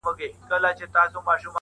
په پام کي نيولو سره پلی سوی دی